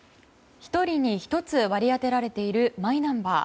１人に１つ割り当てられているマイナンバー。